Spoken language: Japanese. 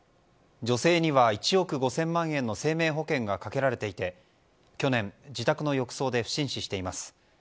女性には１億５０００万円の生命保険がかけられていて去年、自宅の浴槽で不審死しています。